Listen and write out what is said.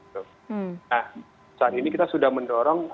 nah saat ini kita sudah mendorong